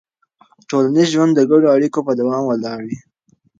ټولنیز ژوند د ګډو اړیکو په دوام ولاړ وي.